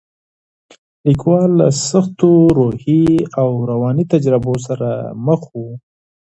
لیکوال له سختو روحي او رواني تجربو سره مخ و.